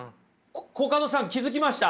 コカドさん気付きました？